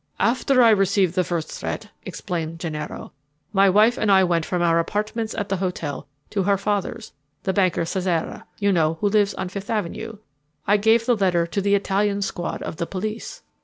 "After I received the first threat," explained Gennaro, "my wife and I went from our apartments at the hotel to her father's, the banker Cesare, you know, who lives on Fifth Avenue. I gave the letter to the Italian Squad of the police.